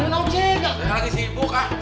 neng aku sibuk aja